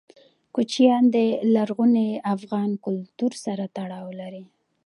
کوچیان د لرغوني افغان کلتور سره تړاو لري.